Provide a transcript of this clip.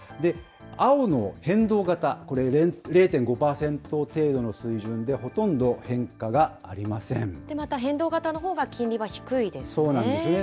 青の変動型、これ、０．５％程度の水準でほとんど変化がありませまた変動型のほうが、金利はそうなんですね。